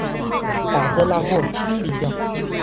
把这烂货清理掉！